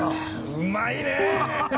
うまいねぇ！